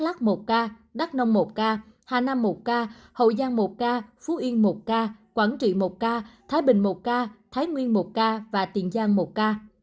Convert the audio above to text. đắk lắc một ca đắk nông một ca hà nam một ca hậu giang một ca phú yên một ca quảng trị một ca thái bình một ca thái nguyên một ca và tiền giang một ca